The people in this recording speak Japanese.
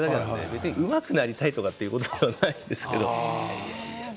うまくなりたいとかそういうことではないんですよね。